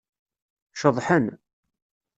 Ceḍḥen.